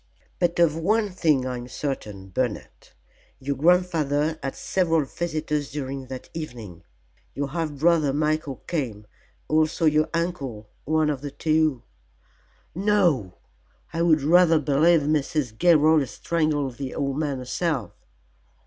But of one thing I am certain, Bernard: your grandfather had several visitors during that evening. Your half brother Michael came, also your uncle. One of the two " "No! I would rather believe Mrs. Gilroy strangled the old man herself."